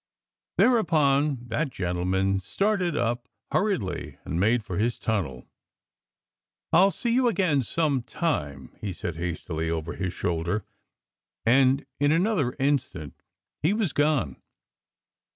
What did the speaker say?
Thereupon that gentleman started up hurriedly and made for his tunnel. "I'll see you again sometime," he said hastily over his shoulder. And in another instant he was gone.